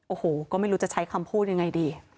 โอ้โหก็ไม่รู้จะใช้คำพูดยังไงดี